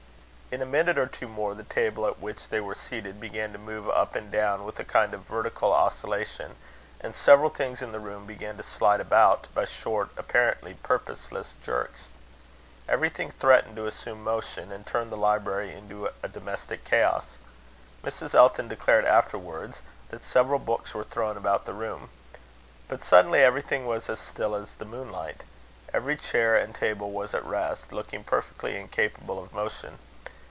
In a minute or two more, the table at which they were seated, began to move up and down with a kind of vertical oscillation, and several things in the room began to slide about, by short, apparently purposeless jerks. Everything threatened to assume motion, and turn the library into a domestic chaos. Mrs. Elton declared afterwards that several books were thrown about the room. But suddenly everything was as still as the moonlight. Every chair and table was at rest, looking perfectly incapable of motion.